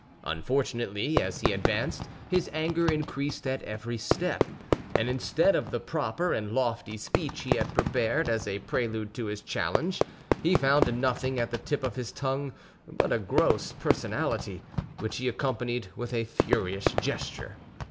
Unfortunately, as he advanced, his anger increased at every step; and instead of the proper and lofty speech he had prepared as a prelude to his challenge, he found nothing at the tip of his tongue but a gross personality, which he accompanied with a furious gesture.